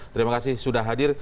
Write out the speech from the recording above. terima kasih sudah hadir